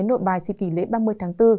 nội bài dịp kỷ lễ ba mươi tháng bốn